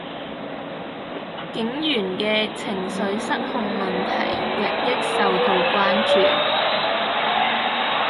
警員既情緒失控問題日益受到關注